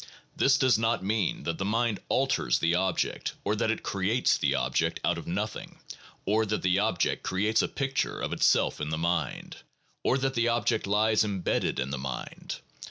This does not mean that the mind alters the object or that it creates the object out of nothing, or that the object creates a picture of itself in the mind, or that the object lies imbedded in the mind.